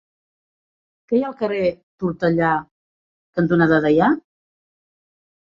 Què hi ha al carrer Tortellà cantonada Deià?